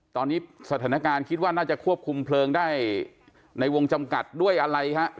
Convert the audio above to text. ตอนนี้สถานการณ์คิดว่าน่าจะควบคุมเพลิงได้ในวงจำกัดด้วยอะไรฮะ